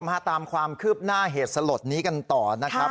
มาตามความคืบหน้าเหตุสลดนี้กันต่อนะครับ